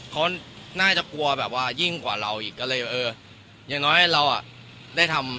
เขาน่าจะกลัวแบบว่ายิ่งกว่าเราอีกก็เลยเอออย่างน้อยเราอ่ะได้ทำ